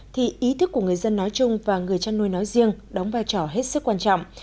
thì ý thức của người dân nói chung và người chăn nuôi nói riêng đóng vai trò hết sức quan trọng